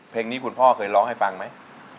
เพลงนี้คุณพ่อเคยร้องให้ฟังไหม